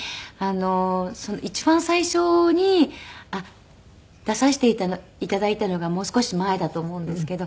一番最初に出させて頂いたのがもう少し前だと思うんですけど。